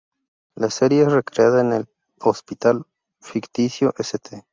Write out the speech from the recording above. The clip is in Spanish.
La serie es recreada en el Hospital ficticio "St.